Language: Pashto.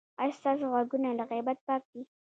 ایا ستاسو غوږونه له غیبت پاک دي؟